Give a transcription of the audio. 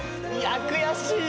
悔しい！